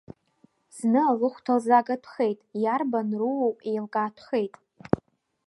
Зны алыхәҭа лзаагатәхеит, иарбан руоу еилкаатәхеит.